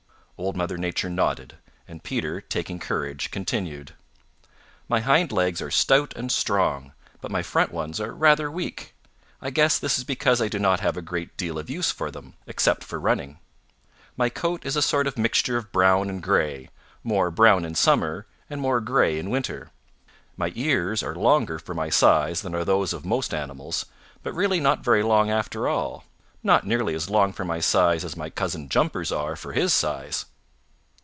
Old Mother Nature nodded, and Peter, taking courage, continued. "My hind legs are stout and strong, but my front ones are rather weak. I guess this is because I do not have a great deal of use for them, except for running. My coat is a sort of mixture of brown and gray, more brown in summer and more gray in winter. My ears are longer for my size than are those of most animals, but really not very long after all, not nearly as long for my size as my cousin Jumper's are for his size.